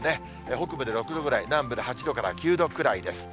北部で６度ぐらい、南部で８度から９度くらいです。